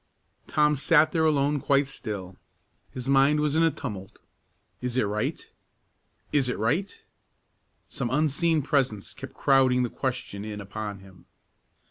Tom sat there alone quite still. His mind was in a tumult. Is it right? Is it right? Some unseen presence kept crowding the question in upon him.